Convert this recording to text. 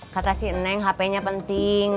kata si neng hpnya penting